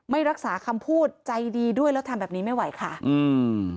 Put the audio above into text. ไม่รักษาคำพูดใจดีด้วยแล้วทำแบบนี้ไม่ไหวค่ะอืม